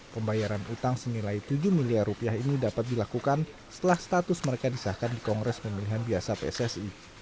pembayaran utang senilai tujuh miliar rupiah ini dapat dilakukan setelah status mereka disahkan di kongres pemilihan biasa pssi